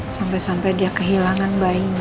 sampai sampai dia kehilangan bayinya